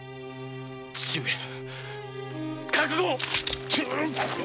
父上御覚悟！